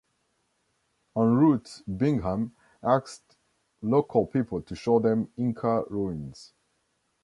En route Bingham asked local people to show them Inca ruins.